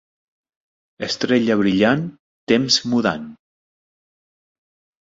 Estrella brillant, temps mudant.